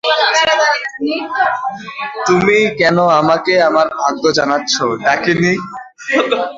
তুমি কেন আমাকে আমার ভাগ্য জানাচ্ছ, ডাকিনী?